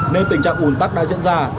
nên tình trạng ủn tắc đã diễn ra